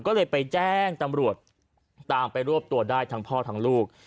ก็เลยไปแจ้งตำรวจตามไปรวบตัวได้ทั้งพ่อทั้งลูก